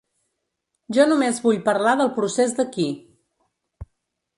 Jo només vull parlar del procés d’aquí.